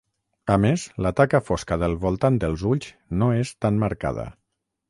A més, la taca fosca del voltant dels ulls no és tan marcada.